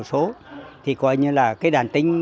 một số thì coi như là cái đàn tinh